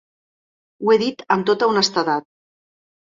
Ho he dit amb tota honestedat.